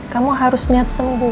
kamu harus niat sembuh